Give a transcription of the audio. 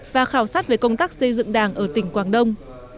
và khảo sát về công tác xây dựng đảng ở tỉnh quảng đông